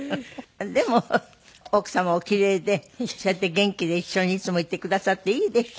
でも奥様お奇麗でそうやって元気で一緒にいつもいてくださっていいでしょ？